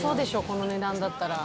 この値段だったら。